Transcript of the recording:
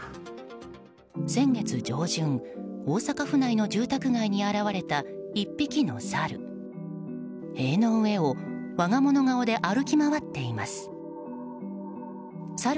先月上旬、大阪府内の住宅街に現れた１匹のサル。